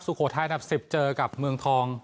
สุโขทัยนับ๑๐เจอกับเมืองทอง